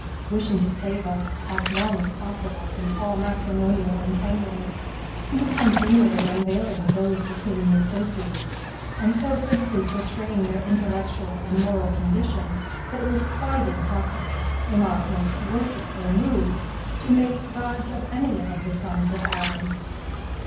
Wishing to save us as long as possible from all matrimonial entanglements, he was continually unveiling those with whom he associated, and so critically portraying their intellectual and moral condition that it was quite impossible, in our most worshipful moods, to make gods of any of the sons of Adam.